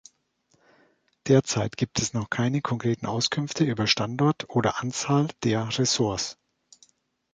Derzeit gibt es noch keine konkreten Auskünfte über Standort oder Anzahl der Resorts.